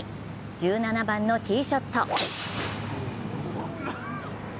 １７番のティーショット。